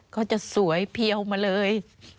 ก็จะสวยเพี้ยวมาเลย